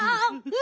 え？